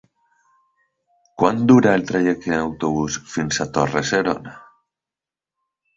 Quant dura el trajecte en autobús fins a Torre-serona?